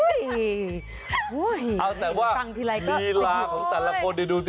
เอาแต่ว่าฬีลาของแต่ละคนดูสิ